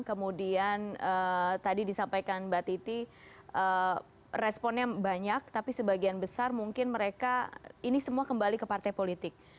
kemudian tadi disampaikan mbak titi responnya banyak tapi sebagian besar mungkin mereka ini semua kembali ke partai politik